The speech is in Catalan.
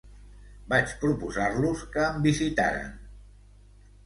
Vaig proposar-los que em visitaren.